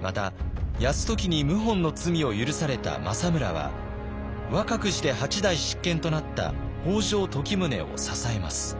また泰時に謀反の罪を許された政村は若くして８代執権となった北条時宗を支えます。